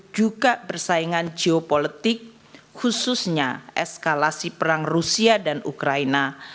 juga persaingan geopolitik khususnya eskalasi perang rusia dan ukraina